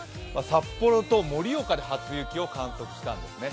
札幌と盛岡で初雪を観測したんですね。